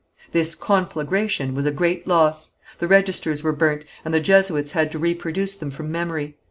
This conflagration was a great loss. The registers were burnt, and the Jesuits had to reproduce them from memory.